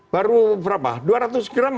baru berapa dua ratus gram